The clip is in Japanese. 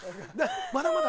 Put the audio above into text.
まだまだ。